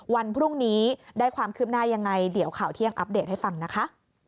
วันพรุ่งนี้ได้ความคืบหน้ายังไงเดี๋ยวข่าวเที่ยงอัปเดตให้ฟังนะคะ